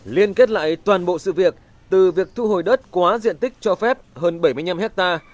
liên kết lại toàn bộ sự việc từ việc thu hồi đất quá diện tích cho phép hơn bảy mươi năm hectare